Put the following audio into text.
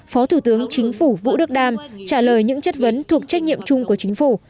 phó thủ tướng chính phủ vũ đức đam trả lời những chất vấn thuộc trách nhiệm chung của chính phủ